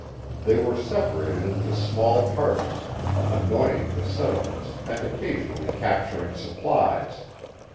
They were separated into small parties, annoying the settlements and occasionally capturing supplies.